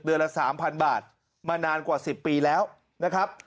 ละ๓๐๐๐บาทมานานกว่า๑๐ปีแล้วนะครับ